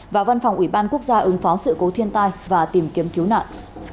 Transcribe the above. và văn phòng ủy ban quốc gia ứng phó sự cố thiên tai và tìm kiếm cứu nạn